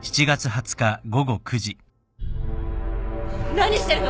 何してるの？